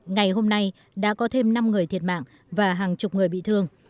ngày hôm nay đã có thêm năm người thiệt mạng và hàng chục người bị thương